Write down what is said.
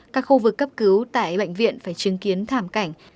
các khu vực cấp cứu tại bệnh viện phải chứng kiến thảm cảnh